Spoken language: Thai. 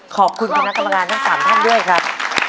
ขอบคุณคณะกรรมการทั้ง๓ท่านด้วยครับ